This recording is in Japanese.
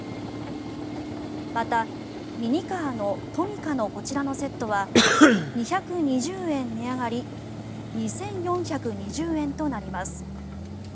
また、ミニカーのトミカのこちらのセットは２２０円値上がり２４２０円となります。